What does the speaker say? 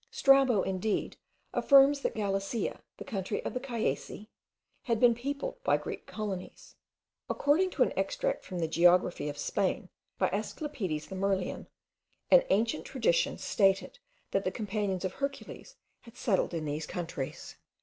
Strabo, indeed, affirms that Galicia, the country of the Callaeci, had been peopled by Greek colonies. According to an extract from the geography of Spain, by Asclepiades the Myrlaean, an ancient tradition stated that the companions of Hercules had settled in these countries.